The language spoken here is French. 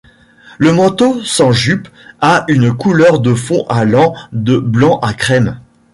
Le manteau, sans jupe, a une couleur de fond allant de blanc à crème.